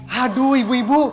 haduh ibu ibu